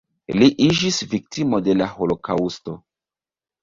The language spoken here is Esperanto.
Li iĝis viktimo de la holokaŭsto.